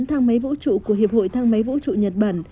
bốn thang máy vũ trụ của hiệp hội thang máy vũ trụ nhật bản